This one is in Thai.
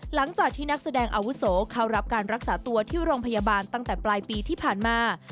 หลังจากที่นักแสดงอาวุโสเข้ารับการรักษาตัวที่โรงพยาบาลตั้งแต่ปลายปีที่ผ่านมา